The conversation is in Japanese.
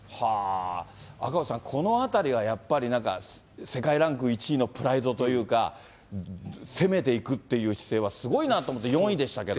赤星さん、このあたりがやっぱりなんか世界ランク１位のプライドというか、攻めていくっていう姿勢はすごいなと思って、４位でしたけど。